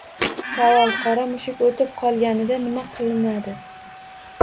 Savol: Qora mushuk o‘tib qolganida nima qilinadi?